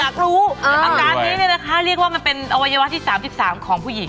อาการนี้เนี่ยนะคะเรียกว่ามันเป็นอวัยวะที่๓๓ของผู้หญิง